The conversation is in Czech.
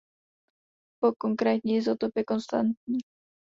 Pro konkrétní izotop je konstantní.